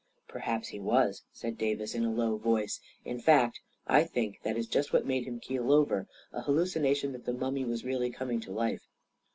" Perhaps he was," said Davis, in a low voice. " In fact, I think that is just what made him keel over — a hallucination that the mummy was really coming to life."